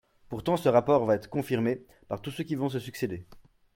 Pourtant, ce rapport va être confirmé par tous ceux qui vont se succéder.